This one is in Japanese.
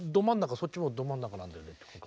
そっちもど真ん中なんだよねっていうか。